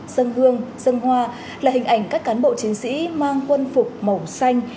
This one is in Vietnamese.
dân hương dân hoa là hình ảnh các cán bộ chiến sĩ mang quân phục màu xanh